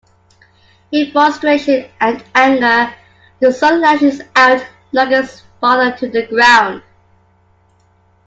In frustration and anger, the son lashes out, knocking his father to the ground.